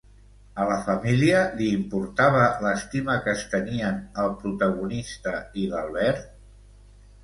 A la família li importava l'estima que es tenien el protagonista i l'Albert?